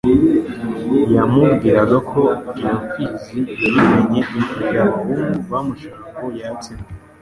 yamubwiraga ko iyo mfizi yayimenye igihe abahungu bamushukaga ngo yatsemo